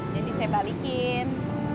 jadi saya balikin